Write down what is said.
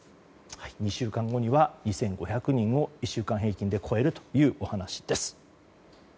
２週間後には２５００人を１週間平均で超えるというお話です。